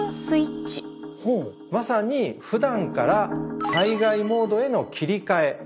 まさにふだんから災害モードへの切り替え。